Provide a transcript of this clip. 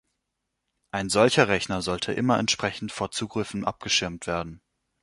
Ein solcher Rechner sollte immer entsprechend vor Zugriffen abgeschirmt werden.